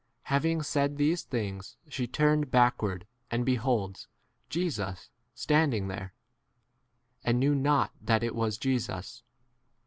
l Having said these things she turned backward and beholds Jesus standing [there], and knew is not that it was m Jesus.